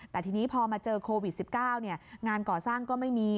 แต่ทีนี้พอมาเจอโควิด๑๙งานก่อสร้างก็ไม่มี